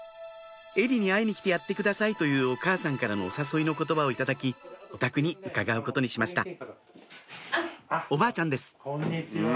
「絵理に会いに来てやってください」というお母さんからのお誘いの言葉を頂きお宅に伺うことにしましたおばあちゃんですこんにちは。